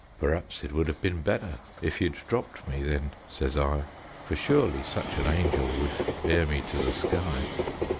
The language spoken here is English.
"Perhaps it would've been better If you'd dropped me then," says I; "For surely such an angel Would bear me to the sky."